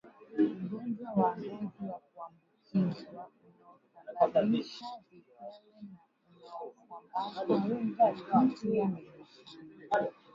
ugonjwa wa ngozi wa kuambukizwa unaosababisha vipele na unaosambazwa kupitia migusano